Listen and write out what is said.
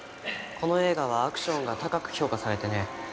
この映画はアクションが高く評価されてね。